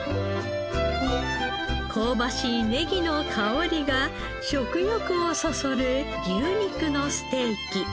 香ばしいネギの香りが食欲をそそる牛肉のステーキ。